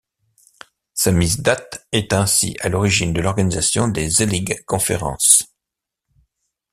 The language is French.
Samizdat est ainsi à l'origine de l'organisation des Zelig Conferences.